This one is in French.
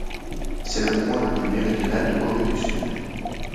C'est le point le plus méridional de Corée du Sud.